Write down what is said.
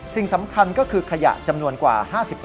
สิ่งสำคัญก็คือขยะจำนวนกว่า๕๐